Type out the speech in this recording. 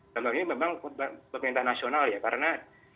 kalau ini memang pemerintah nasional ya karena